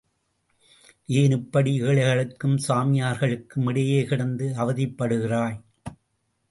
ஏன் இப்படி ஏழைகளுக்கும் சாமியார்களுக்கும் இடையே கிடந்து அவதிப்படுகிறாய்?